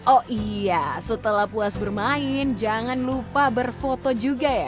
oh iya setelah puas bermain jangan lupa berfoto juga ya